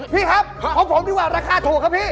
พี่ครับของผมดีกว่าราคาถูกครับพี่